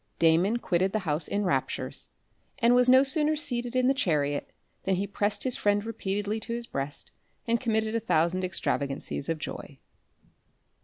Damon quitted the house in raptures, and was no sooner seated in the chariot, than he pressed his friend repeatedly to his breast, and committed a thousand extravagancies of joy.